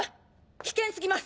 危険過ぎます！